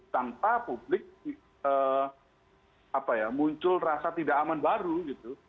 tanpa publik muncul rasa tidak aman baru gitu